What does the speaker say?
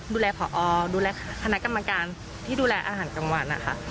ดูแลผอดูแลพนักกรรมการที่ดูแลอาหารกลางหวาน